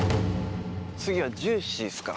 次はジューシーっすか。